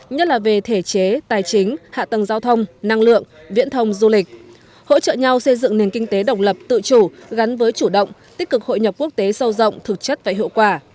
nhất là về thể chế tài chính hạ tầng giao thông năng lượng viễn thông du lịch hỗ trợ nhau xây dựng nền kinh tế độc lập tự chủ gắn với chủ động tích cực hội nhập quốc tế sâu rộng thực chất và hiệu quả